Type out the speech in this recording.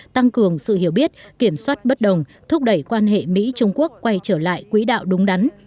tăng cường sự hiểu biết kiểm soát bất đồng thúc đẩy quan hệ mỹ trung quốc quay trở lại quỹ đạo đúng đắn